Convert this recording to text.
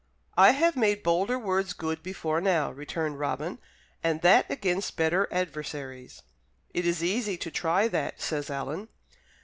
"I have made bolder words good before now," returned Robin, "and that against better adversaries." "It is easy to try that," says Alan.